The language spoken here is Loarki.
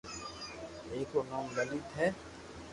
ايڪ رو نوم لليت ھي